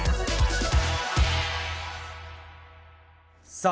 さあ